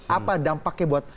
apa dampaknya buat